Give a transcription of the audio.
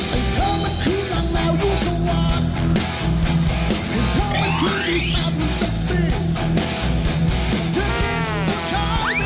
โอ้โฮโอ้โฮโอ้โฮโอ้โฮโอ้โฮโอ้โฮ